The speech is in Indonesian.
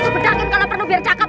sepedakin kalau perlu biar cakep